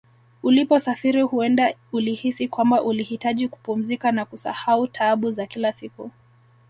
Uliposafiri huenda ulihisi kwamba ulihitaji kupumzika na kusahau taabu za kila siku